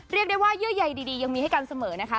เรียกได้ว่าเยื่อใยดียังมีให้กันเสมอนะคะ